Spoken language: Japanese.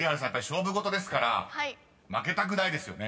勝負事ですから負けたくないですよね？］